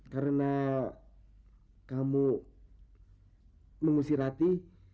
karena kamu mengusir rati